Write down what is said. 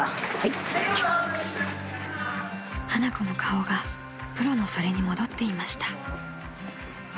［花子の顔がプロのそれに戻っていました］